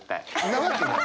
なわけない！